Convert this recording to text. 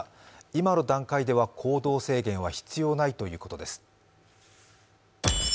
今の段階では行動制限は必要ないということです。